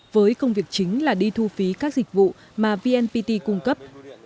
với công việc chính là đi thu phí các dịch vụ mà vnpt cung cấp